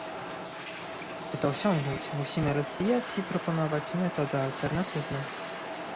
By to osiągnąć, musimy rozwijać i proponować metody alternatywne